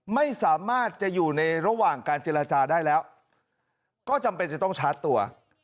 ไม่สามารถจะอยู่ในระหว่างการเจรจาได้แล้วก็จำเป็นจะต้องชาร์จตัว